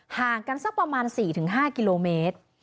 ห่างกันสักประมาณ๔๕กิโลเมตร